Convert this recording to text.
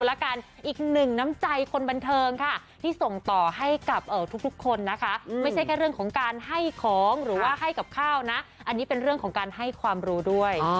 แล้วกันอีกหนึ่งน้ำใจคนบันเทิงค่ะที่ส่งต่อให้กับทุกคนนะคะไม่ใช่แค่เรื่องของการให้ของหรือว่าให้กับข้าวนะอันนี้เป็นเรื่องของการให้ความรู้ด้วย